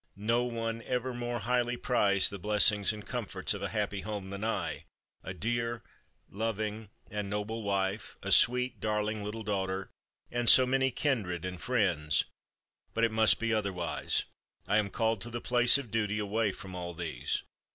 No one ever more highly prized the blessings and comforts of a happy home than I, a dear, loving, and noble wife, a sweet, darling little daughter, and so many kind kindred and friends, but it must be otherwise. I am called to the place of duty, away from all these.